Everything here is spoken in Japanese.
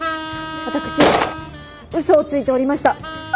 私嘘をついておりました。